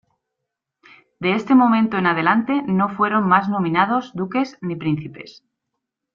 De este momento en adelante no fueron más nominados duques ni príncipes.